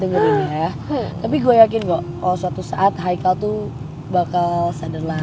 tengokin ya tapi gue yakin kok kalau suatu saat haikal tuh bakal sadarlah